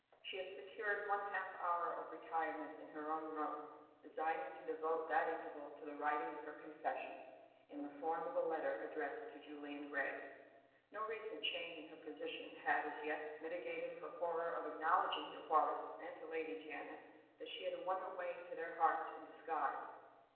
She had secured one half hour of retirement in her own room, designing to devote that interval to the writing of her confession, in the form of a letter addressed to Julian Gray. No recent change in her position had, as yet, mitigated her horror of acknowledging to Horace and to Lady Janet that she had won her way to their hearts in disguise.